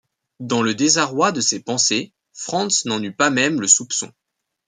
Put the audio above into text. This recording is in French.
Dans le désarroi de ses pensées, Franz n’en eut pas même le soupçon.